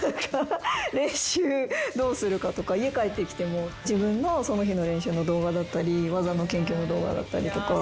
練習どうするかとか家帰ってきても自分のその日の練習の動画だったり技の研究の動画だったりとか。